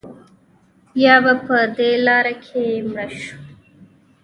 یا به په دې لاره کې مړه شو.